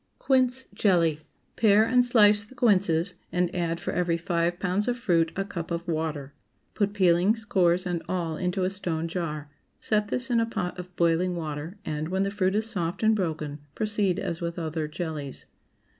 QUINCE JELLY. ✠ Pare and slice the quinces, and add for every five pounds of fruit a cup of water. Put peelings, cores, and all into a stone jar; set this in a pot of boiling water, and, when the fruit is soft and broken, proceed as with other jellies.